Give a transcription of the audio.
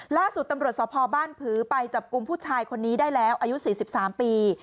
ล่าสุดตำรวจสพบ้านผือไปจับกลุ่มผู้ชายคนนี้ได้แล้วอายุ๔๓ปี